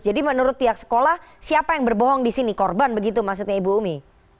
jadi menurut pihak sekolah siapa yang berbohong di sini korban begitu maksudnya ibu umi